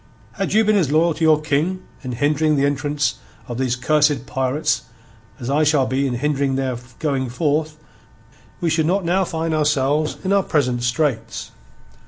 "Had you been as loyal to your King in hindering the entrance of these cursed pirates as I shall be in hindering their going forth again, we should not now find ourselves in our present straits.